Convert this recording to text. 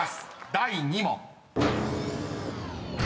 第２問］